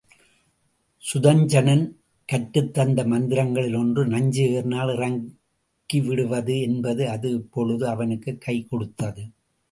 சுதஞ்சணன் கற்றுத் தந்த மந்திரங்களில் ஒன்று நஞ்சு ஏறினால் இறக்கிவிடுவது என்பது அது இப்பொழுது அவனுக்குக் கை கொடுத்தது.